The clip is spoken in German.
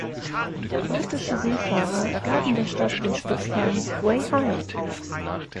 Britische Seefahrer gaben der Stadt den Spitznamen "Way High".